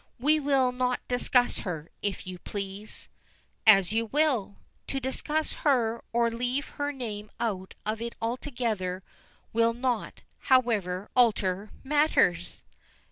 "We will not discuss her, if you please." "As you will. To discuss her or leave her name out of it altogether will not, however, alter matters."